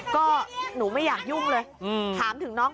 ขอบคุณครับพ่อ